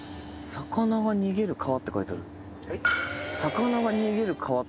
「魚が逃げる川」って書いてある。